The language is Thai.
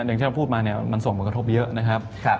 อย่างเช่นเราพูดมาเนี่ยมันส่งประกอบเยอะนะครับครับ